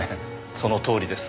そのとおりです。